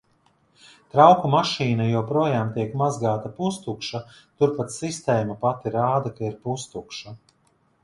Trauku mašīna joprojām tiek mazgāta pustukša, tur pat sistēma pati rāda, ka ir pustukša.